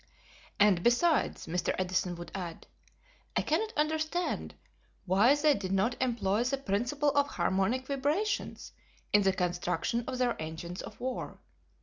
"And besides," Mr. Edison would add, "I cannot understand why they did not employ the principle of harmonic vibrations in the construction of their engines of war.